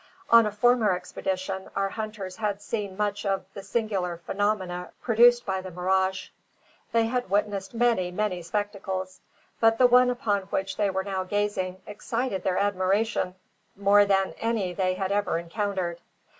On a former expedition our hunters had seen much of the singular phenomena produced by the mirage. They had witnessed many, many spectacles, but the one upon which they were now gazing excited their admiration more than any they had ever encountered.